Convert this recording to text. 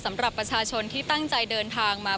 สำหรับประชาชนที่ตั้งใจเดินทางมา